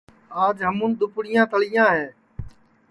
آج ہمُون دُپڑیاں تݪیاں ہے